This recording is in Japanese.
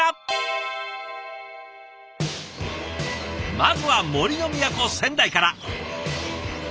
まずは杜の都仙台から。